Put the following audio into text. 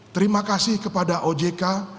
terima kasih kepada ojk